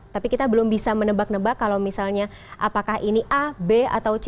tapi kita belum bisa menebak nebak kalau misalnya apakah ini a b atau c